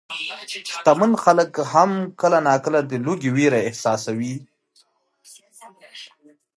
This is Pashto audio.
شتمن خلک هم کله ناکله د لوږې وېره احساسوي.